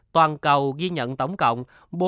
toàn cầu ghi nhận tổng cộng